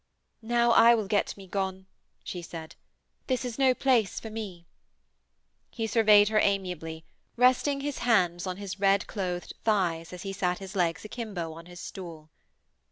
'Now I will get me gone,' she said. 'This is no place for me.' He surveyed her amiably, resting his hands on his red clothed thighs as he sat his legs akimbo on his stool.